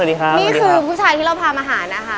นี่คือผู้ชายที่เราพามาหานะคะ